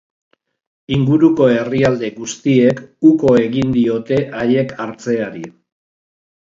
Inguruko herrialde guztiek uko egin diote haiek hartzeari.